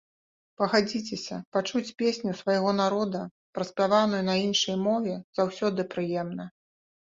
Пагадзіцеся, пачуць песню свайго народа праспяваную на іншай мове заўсёды прыемна!